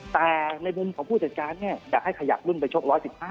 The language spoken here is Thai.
แต่ในมุมของผู้จัดการเนี่ยอยากให้ขยับรุ่นไปชก๑๑๕